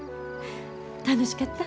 楽しかった？